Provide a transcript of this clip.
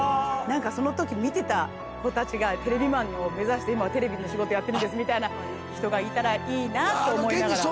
その時見てた子たちがテレビマンを目指して今はテレビの仕事をやってるんですみたいな人がいたらいいなと思いながら。